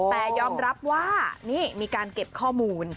แต่ยอมรับว่านี่มีการเก็บข้อมูล